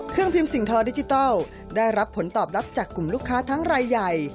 เครื่องพิมพ์สิ่งทอดิจิทัลได้รับผลตอบรับจากกลุ่มลูกค้าทั้งรายใหญ่